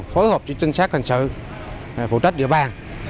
phối hợp với trinh sát hành xử phụ trách địa bang